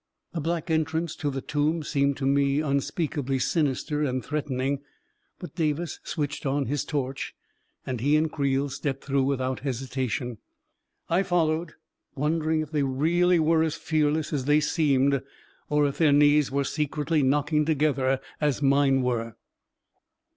The black entrance to the tomb seemed to me un speakably sinister and threatening, but Davis switched on his torch, and he and Creel stepped through without hesitation. I followed, wondering if they were really as fearless as they seemed, or if their knees were secretly knocking together as mine were.